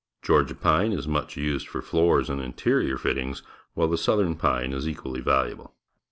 Georgia pine is much used for floors and interior fittings, while the souther n cvpregs is equally valuable.